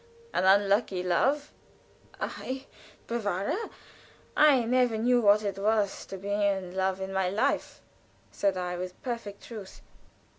An unlucky love?" "I, bewahre! I never knew what it was to be in love in my life," said I, with perfect truth.